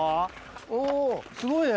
おすごいね。